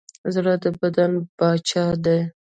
زړه د بدن پاچا دی.